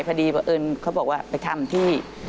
พอดีเขาบอกว่าไปทำที่